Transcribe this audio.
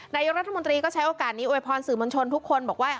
นายกรัฐมนตรีก็ใช้โอกาสนี้อวยพรสื่อมวลชนทุกคนบอกว่า